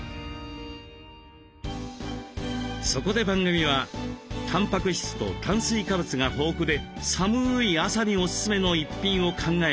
そこで番組はたんぱく質と炭水化物が豊富で寒い朝にオススメの一品を考えてみました。